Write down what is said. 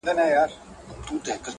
ددغه تخنیک تر ټولو مخکښ استاد ګڼم